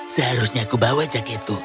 seharusnya aku bawa jaketku